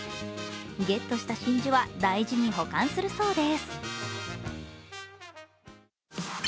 ゲットとした真珠は大事に保管するそうです。